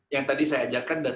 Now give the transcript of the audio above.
yang tadi saya ajarkan